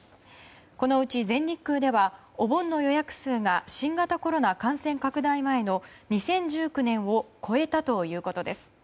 このうち全日空ではお盆の予約数が新型コロナ感染拡大前の２０１９年を超えたということです。